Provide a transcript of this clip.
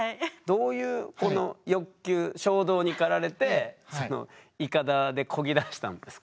どういうこの欲求衝動に駆られてイカダでこぎ出したんですか？